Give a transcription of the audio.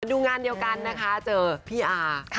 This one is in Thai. ดูงานเดียวกันนะคะเจอพี่อา